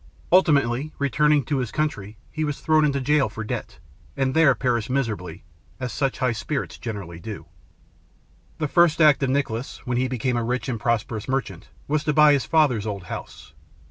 Ultimately, returning to this country, he was thrown into jail for debt, and there perished miserably, as such high spirits generally do. The first act of Nicholas, when he became a rich and prosperous merchant, was to buy his father's old house.